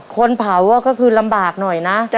คนเผาก็คือลำบากหน่อยนะ